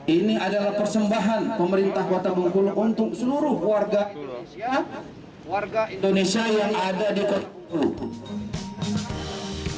ini adalah persembahan pemerintah kota bengkulu untuk seluruh warga indonesia warga indonesia yang ada di kota